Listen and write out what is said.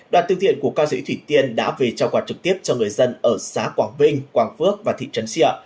đoàn tư thiện của ca sĩ thủy tiên đã về trao quà trực tiếp cho người dân ở xã quảng vinh quảng phước và thị trấn xìa